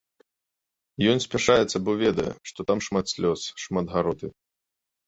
Ён спяшаецца, бо ведае, што там шмат слёз, шмат гароты.